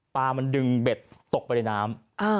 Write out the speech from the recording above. ปลามันดึงเบ็ดตกไปในน้ำ